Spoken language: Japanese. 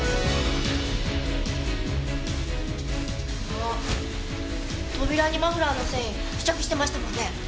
あ扉にマフラーの繊維付着してましたもんね。